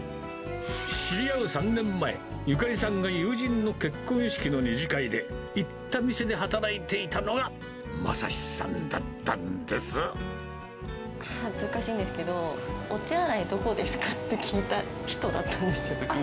知り合う３年前、ゆかりさんが友人の結婚式の２次会で、行った店で働いていたのが、恥ずかしいんですけど、お手洗いどこですか？って聞いた人だったんですよ。